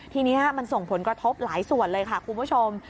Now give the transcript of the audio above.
ทีนี้มันส่งผลกระทบหลายส่วนเลยค่ะคุณผู้ชม